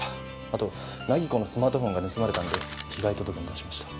あと凪子のスマートフォンが盗まれたんで被害届も出しました。